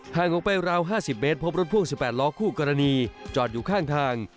ห่างออกไปราวห้าสิบเมตรพบรถพ่วงสิบแปดล้อคู่กรณีจอดอยู่ข้างทาง